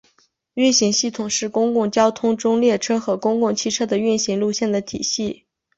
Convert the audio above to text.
运行系统是公共交通中列车和公共汽车的运行路线的体系。